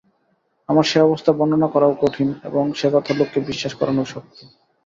আমার সে অবস্থা বর্ণনা করাও কঠিন এবং সে কথা লোককে বিশ্বাস করানোও শক্ত।